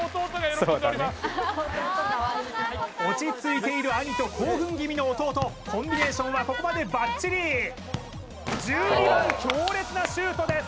落ち着いている兄と興奮気味の弟コンビネーションはここまでバッチリ１２番強烈なシュートです